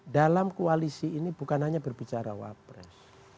dalam koalisi ini bukan hanya berbicara wapres